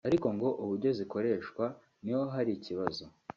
ariko ngo uburyo zikoreshwa ni ho hari ikibazo